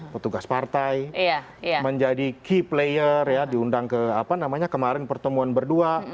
petugas partai menjadi key player diundang ke kemarin pertemuan berdua